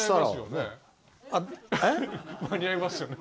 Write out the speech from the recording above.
間に合いますよね？